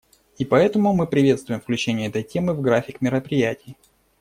И поэтому мы приветствуем включение этой темы в график мероприятий.